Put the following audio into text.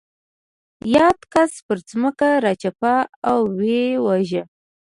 یاد کس پر ځمکه راچپه او ویې واژه.